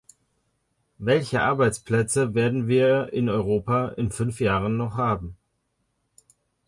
Welche Arbeitsplätze werden wir in Europa in fünf Jahren noch haben?